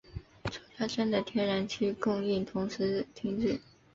周家镇的天然气供应同时停止。